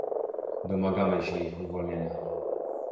Domagamy się ich uwolnienia